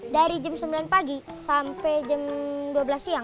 dari jam sembilan pagi sampai jam dua belas siang